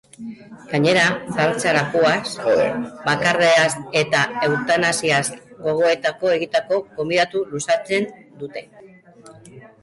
Gainera, zahartzaroaz, bakardadeaz eta eutanasiaz gogoeta egiteko gonbita luzatzen du.